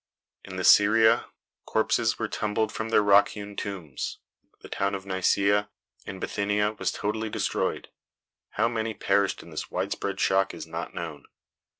In the Syria corpses were tumbled from their rock hewn tombs. The town of Nicaea, in Bithynia, was totally destroyed. How many perished in this widespread shock is not known.